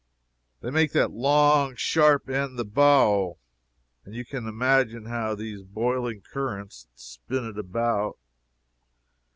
They make that long sharp end the bow, and you can imagine how these boiling currents spin it about.